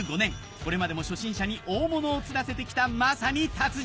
これまでも初心者に大物を釣らせて来たまさに達人！